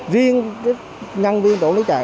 riêng nhân viên chợ lý trợ